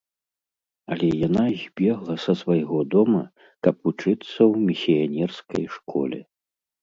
Але яна збегла са свайго дома, каб вучыцца ў місіянерскай школе.